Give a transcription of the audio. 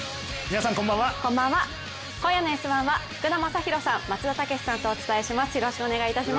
今夜の「Ｓ☆１」は福田正博さん松田丈志さんとお伝えします。